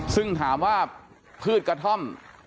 ซึ่งถามว่าพืชกระท่อม